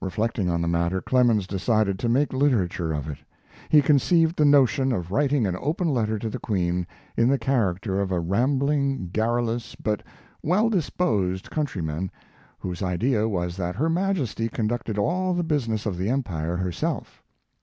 Reflecting on the matter, Clemens decided to make literature of it. He conceived the notion of writing an open letter to the Queen in the character of a rambling, garrulous, but well disposed countryman whose idea was that her Majesty conducted all the business of the empire herself.